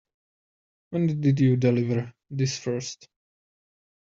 When did you deliver this first?